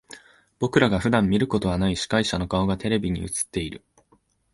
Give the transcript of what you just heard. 僕らが普段見ることはない司会者の顔がテレビに映っている。